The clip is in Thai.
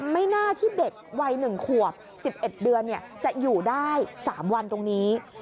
ไม่น่าที่เด็กวัย๑ขวบ๑๑เดือนจะอยู่ได้๓วันตรงนี้